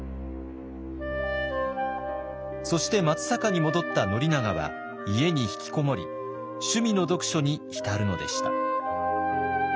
そして松坂に戻った宣長は家に引きこもり趣味の読書に浸るのでした。